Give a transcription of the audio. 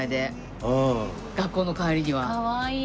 かわいい。